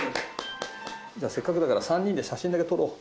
せっかくだから３人で写真だけ撮ろう。